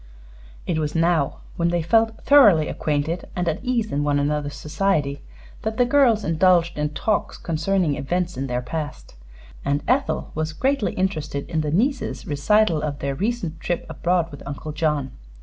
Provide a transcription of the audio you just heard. It was now, when they felt thoroughly acquainted and at ease in one another's society, that the girls indulged in talks concerning events in their past, and Ethel was greatly interested in the nieces' recital of their recent trip abroad with Uncle John.